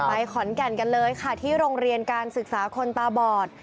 ไปขอนแก่นกันเลยค่ะที่โรงเรียนการศึกษาคนตาบอด